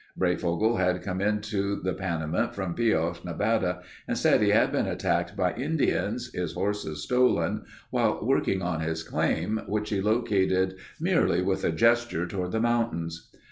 Breyfogle had come into the Panamint from Pioche, Nevada, and said he had been attacked by Indians, his horses stolen, while working on his claim which he located merely with a gesture toward the mountains.